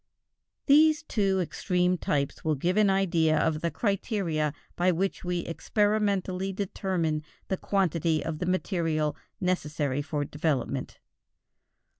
These two extreme types will give an idea of the criteria by which we experimentally determine the quantity of the material necessary for development.